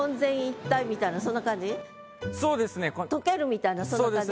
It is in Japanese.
「とける」みたいなそんな感じ？